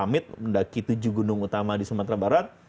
pamit mendaki tujuh gunung utama di sumatera barat